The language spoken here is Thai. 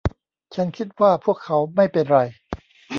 ฉันคิดว่าพวกเขาไม่เป็นไร